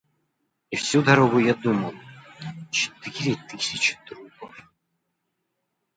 И всю дорогу я думал: четыре тысячи трупов.